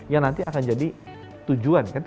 yang nanti akan jadi tujuan kan